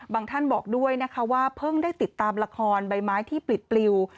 ท่านบอกด้วยนะคะว่าเพิ่งได้ติดตามละครใบไม้ที่ปลิดปลิว